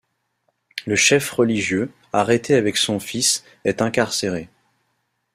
Le chef religieux, arrêté avec son fils, est incarcéré.